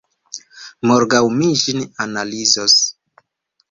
Morgaŭ mi ĝin analizos.